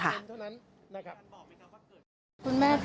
แล้วก็ไม่พบ